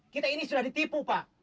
kita ini sudah ditipu pak